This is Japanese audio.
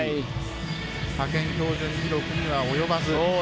派遣標準記録には及ばず。